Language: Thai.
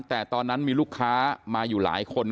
แต่ตอนนั้นมีลูกค้ามาอยู่หลายคน